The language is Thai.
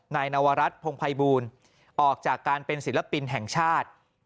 นายนวรัฐพงภัยบูลออกจากการเป็นศิลปินแห่งชาติ